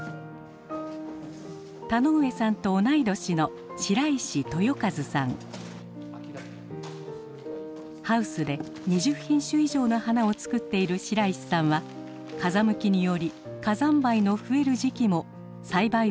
田上さんと同い年のハウスで２０品種以上の花を作っている白石さんは風向きにより火山灰の増える時期も栽培を続けています。